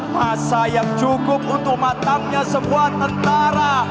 masa yang cukup untuk matangnya sebuah tentara